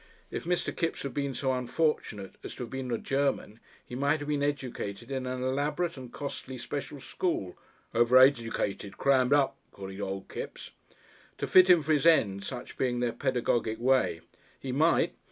If Mr. Kipps had been so unfortunate as to have been born a German he might have been educated in an elaborate and costly special school ("over educated crammed up" Old Kipps) to fit him for his end such being their pedagogic way. He might....